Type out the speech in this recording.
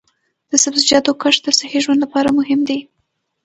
د سبزیجاتو کښت د صحي ژوند لپاره مهم دی.